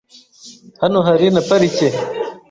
Hano hari na parike .